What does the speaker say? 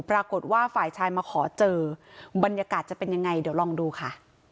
ปรากฏว่าฝ่ายชายมาขอเจอบรรยากาศจะเป็นยังไงเดี๋ยวลองดูค่ะ